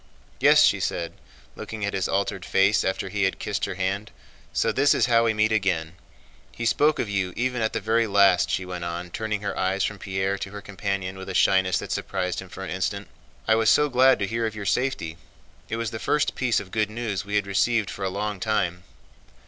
"Yes," she said, looking at his altered face after he had kissed her hand, "so this is how we meet again. He spoke of you even at the very last," she went on, turning her eyes from Pierre to her companion with a shyness that surprised him for an instant. "I was so glad to hear of your safety. It was the first piece of good news we had received for a long time."